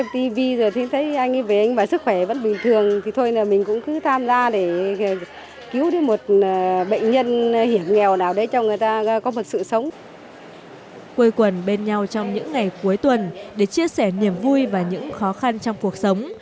quê quần bên nhau trong những ngày cuối tuần để chia sẻ niềm vui và những khó khăn trong cuộc sống